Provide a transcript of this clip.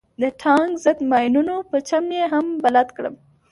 د ټانک ضد ماينونو په چم يې هم بلد کړم.